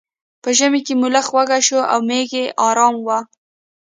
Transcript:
په ژمي کې ملخ وږی شو او میږی ارامه وه.